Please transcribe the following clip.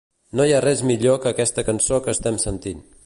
No hi ha res millor que aquesta cançó que estem sentint.